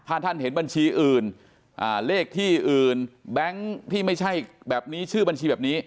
ถ้าท่านเห็นบัญชีอื่นเลขที่อื่นแบงค์ที่ไม่ใช่แบบนี้ชื่อบัญชีแบบนี้